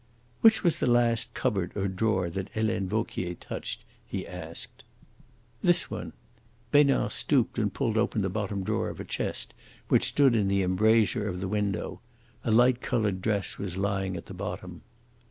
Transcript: "Which was the last cupboard or drawer that Helene Vauquier touched?" he asked. "This one." Besnard stooped and pulled open the bottom drawer of a chest which stood in the embrasure of the window. A light coloured dress was lying at the bottom.